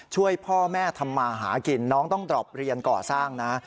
ช่วยพ่อแม่ทำมาหากินน้องต้องดรอบเรียนก่อสร้างนะ